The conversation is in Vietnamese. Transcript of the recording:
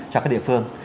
cho các địa phương